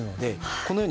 このように。